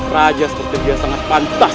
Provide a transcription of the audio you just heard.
raja seperti dia sangat pantas